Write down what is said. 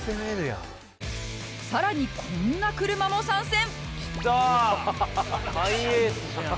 さらにこんな車も参戦！